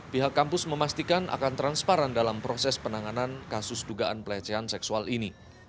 pihak kampus memastikan akan transparan dalam proses penanganan kasus dugaan pelecehan seksual ini